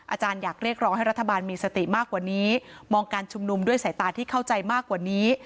อาจารย์อยากเรียกร้องให้รัฐบาลมีสติมากกว่านี้มองการชุมนุมด้วยสายตาที่เข้าใจมากกว่านี้